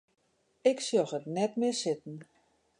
Ik sjoch it net mear sitten.